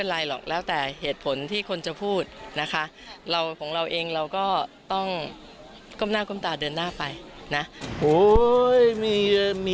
และภาพเทศไทยมาส่วนหนึ่งก็เป็นข้อเหตุผลของพ่อ